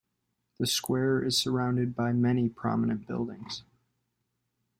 The square is surrounded by many prominent buildings.